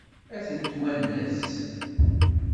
Ad ten-twanes?